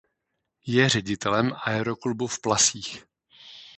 Je ředitelem Aeroklubu v Plasích.